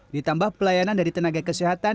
ditambah pelayanan dari tenaga kesehatan